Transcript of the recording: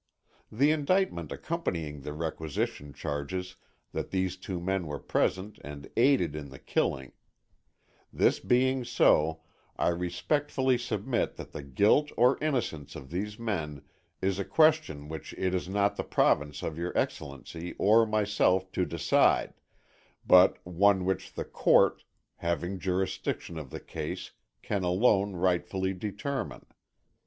The indictment accompanying the requisition charges that these two men were present and aided in the killing; this being so, _I respectfully submit that the guilt or innocence of these men is a question which it is not the province of your Excellency or myself to decide_, but one which the court, having jurisdiction of the case can alone rightfully determine.